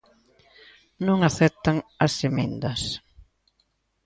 Non aceptan as emendas.